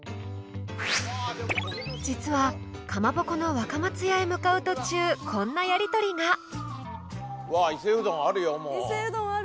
実はかまぼこの「若松屋」へ向かう途中こんなやりとりが伊勢うどんある。